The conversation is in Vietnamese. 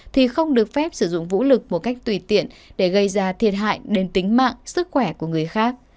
thì không được phép sử dụng vũ lực một cách tùy tiện để gây ra thiệt hại đến tính mạng sức khỏe của người khác